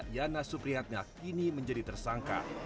yana supriyatna kini menjadi tersangka